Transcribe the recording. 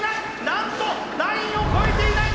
なんとラインを越えていない！